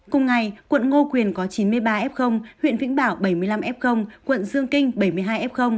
cùng ngày quận ngô quyền có chín mươi ba f huyện vĩnh bảo bảy mươi năm f quận dương kinh bảy mươi hai f